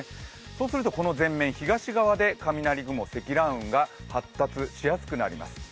そうするとこの全面、東側で積乱雲が発達しやすくなります。